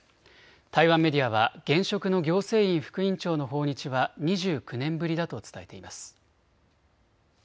台湾メディアは現職の行政院副院長の訪日は２９年ぶりだと伝えています。